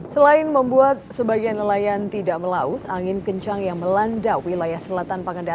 selain membuat sebagian nelayan tidak melaut angin kencang yang melanda wilayah selatan pangandaran